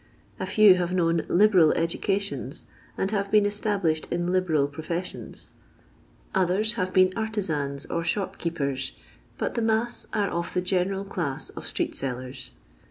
A few have known liberal educations, and have been established in liberal professions ; others have been artisans or shopkeepers, but the mass are of the general class of street sellers.